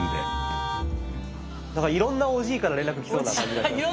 なんかいろんなおじいから連絡来そうな感じがしますけど。